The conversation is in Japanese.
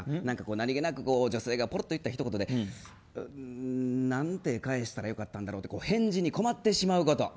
何気なく女性がぽろっといったひと言で何て返したらよかったんだろうと返事に困ってしまうこと。